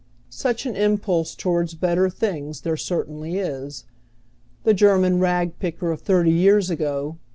Such an impulse toward better things there certainly is. The Glerman rag picker of thirty years ago.